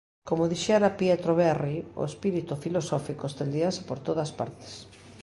Como dixera Pietro Verri, "o espírito filosófico estendíase por todas partes".